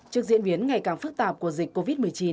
trước diễn biến ngày càng phức tạp của dịch covid một mươi chín